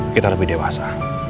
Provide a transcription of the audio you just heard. kita lebih dewasa